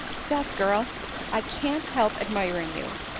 'Sdeath, girl, t I can't help admiring you.